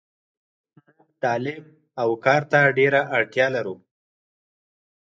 موږ تعلیم اوکارته ډیره اړتیالرو .